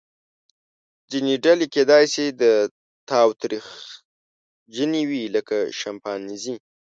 ځینې ډلې کیدای شي تاوتریخجنې وي لکه شامپانزې.